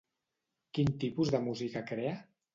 Quin tipus de música crea?